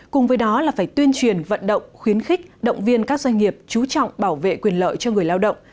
cùng với đó là phải tuyên truyền vận động khuyến khích động viên các doanh nghiệp chú trọng bảo vệ quyền lợi cho người lao động